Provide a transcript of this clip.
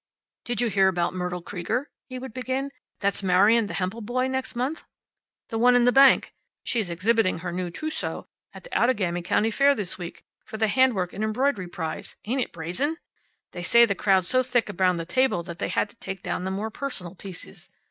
"Did you hear about Myrtle Krieger," he would begin, "that's marryin' the Hempel boy next month? The one in the bank. She's exhibiting her trewsow at the Outagamie County Fair this week, for the handwork and embroid'ry prize. Ain't it brazen? They say the crowd's so thick around the table that they had to take down the more pers'nal pieces.